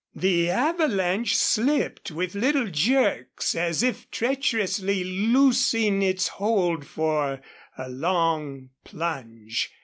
The avalanche slipped with little jerks, as if treacherously loosing its hold for a long plunge.